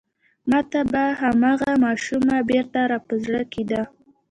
ما ته به هماغه ماشومه بېرته را په زړه کېده.